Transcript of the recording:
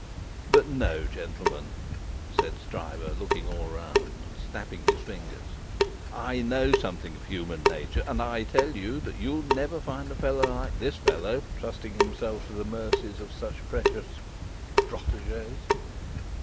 But, no, gentlemen," said Stryver, looking all round, and snapping his fingers, "I know something of human nature, and I tell you that you'll never find a fellow like this fellow, trusting himself to the mercies of such precious protégés.